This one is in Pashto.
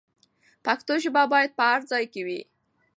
پښتو ژبه باید په هر ځای کې وي.